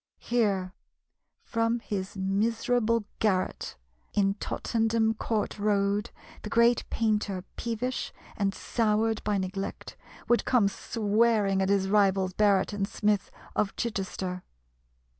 Here, from his miserable garret in Tottenham Court Road, the great painter, peevish and soured by neglect, would come swearing at his rivals Barret and Smith of Chichester.